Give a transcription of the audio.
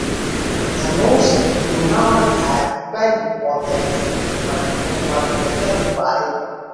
The notes do not have value for themselves, but for what they will buy.